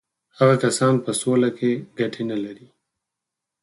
هغه کسان په سوله کې ګټې نه لري.